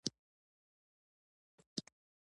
نهه اویایم سوال د اسنادو د تنظیم په اړه دی.